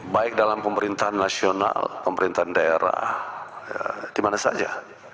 baik dalam pemerintahan nasional pemerintahan daerah di mana saja